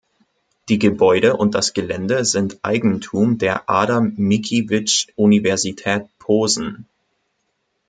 Die Gebäude und das Gelände sind Eigentum der Adam-Mickiewicz-Universität Posen.